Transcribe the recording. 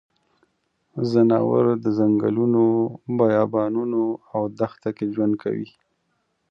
ځناور د ځنګلونو، بیابانونو او دښته کې ژوند کوي.